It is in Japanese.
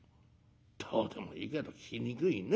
「どうでもいいけど聞きにくいね。